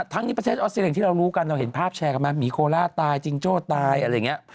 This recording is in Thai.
ทั้งนี้ประเทศออสเตรเลียที่เรารู้กันเราเห็นภาพแชร์กันมาหมีโคล่าตายจิงโจ้ตายอะไรอย่างนี้